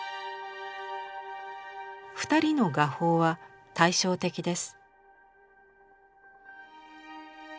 二人の画法は対照的です。